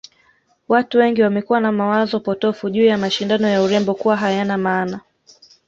Watu wengi wamekuwa na mawazo potofu juu ya mashindano ya urembo kuwa hayana maana